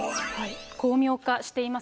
巧妙化しています。